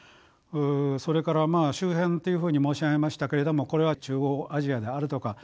それから周辺っていうふうに申し上げましたけれどもこれは中央アジアであるとか